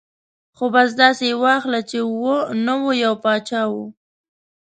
ـ خو بس داسې یې واخله چې و نه و ، یو باچا و.